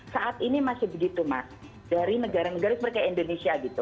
saat ini masih begitu mas dari negara negara seperti indonesia gitu